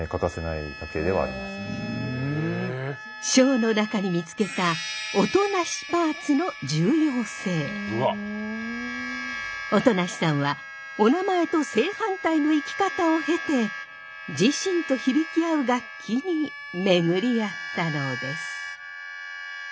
笙の中に見つけた音無さんはおなまえと正反対の生き方を経て自身と響き合う楽器に巡り合ったのです。